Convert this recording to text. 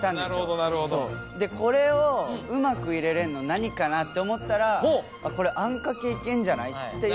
これをうまく入れれんの何かなって思ったらこれあんかけいけんじゃないっていう。